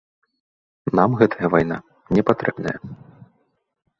Нам гэтая вайна не патрэбная.